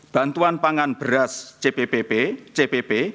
bantuan pangan beras cpp cpp